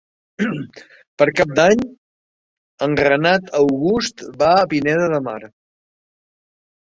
Per Cap d'Any en Renat August va a Pineda de Mar.